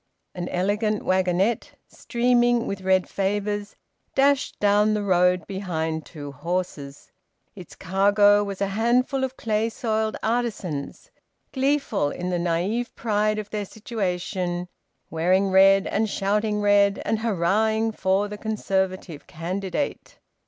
An elegant wagonette, streaming with red favours, dashed down the road behind two horses. Its cargo was a handful of clay soiled artisans, gleeful in the naive pride of their situation, wearing red and shouting red, and hurrahing for the Conservative candidate.